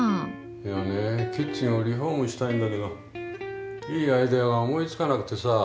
いやねキッチンをリフォームしたいんだけどいいアイデアが思いつかなくてさ。